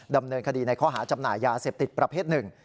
ดำเนินคดีในข้อหาจำหน่ายยาเสพติดประเภทหนึ่ง